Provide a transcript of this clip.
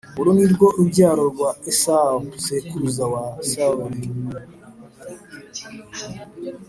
Uru ni rwo rubyaro rwa esawu sekuruza wa sawuri